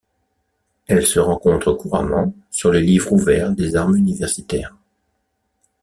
Elles se rencontrent couramment sur les livres ouverts des armes universitaires.